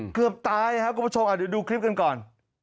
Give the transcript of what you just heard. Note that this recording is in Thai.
เกือบตายครับคุณผู้ชมเดี๋ยวดูคลิปกันก่อน